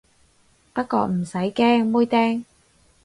不過唔使驚，妹釘